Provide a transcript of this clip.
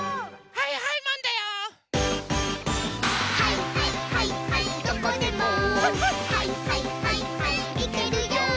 「はいはいはいはいマン」